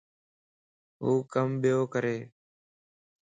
هو ڪم ٻيو ڪري